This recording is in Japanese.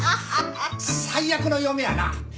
最悪の嫁やな。